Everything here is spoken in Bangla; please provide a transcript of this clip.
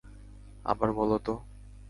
আবার বলো তো?